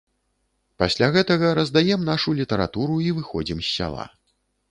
Пасля гэтага раздаем нашу літаратуру і выходзім з сяла.